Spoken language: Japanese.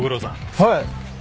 はい！